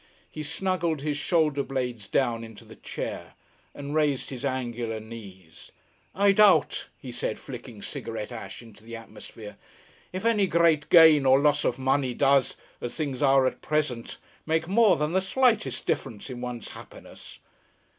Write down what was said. He snuggled his shoulder blades down into the chair and raised his angular knees. "I doubt," he said, flicking cigarette ash into the atmosphere, "if any great gain or loss of money does as things are at present make more than the slightest difference in one's happiness.